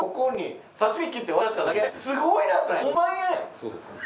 そうですね。